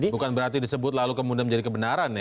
bukan berarti disebut lalu kemudian menjadi kebenaran ya